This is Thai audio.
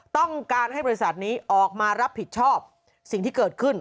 ต้องการให้บริษัทนี้ออกมารับผิดชอบสิ่งที่เกิดขึ้น